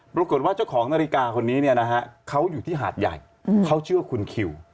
ปรากฏว่าเจ้าของนาฬิกาคนนี้เนี่ยนะฮะเขาอยู่ที่หาดใหญ่เขาชื่อว่าคุณคิว